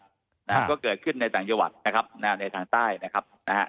แล้วก็เกิดขึ้นในต่างจังหวัดนะครับในต่างใต้นะครับ